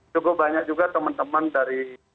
cukup banyak juga teman teman dari